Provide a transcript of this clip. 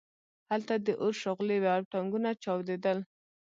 هلته د اور شغلې وې او ټانکونه چاودېدل